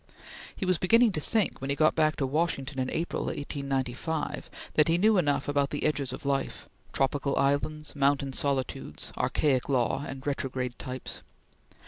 He was beginning to think, when he got back to Washington in April, 1895, that he knew enough about the edges of life tropical islands, mountain solitudes, archaic law, and retrograde types.